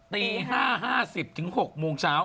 ตี๕๕๐นถึง๖๐๐น